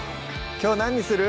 きょう何にする？